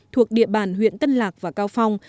thuộc địa bàn huyện tân lạc và cao phong